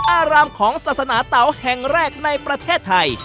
อารามของศาสนาเตาแห่งแรกในประเทศไทย